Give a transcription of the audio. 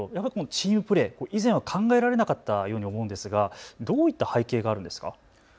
チームプレー以前は考えられなかったように思うんですがどういった背景があるんですか。